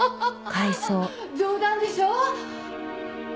冗談でしょ？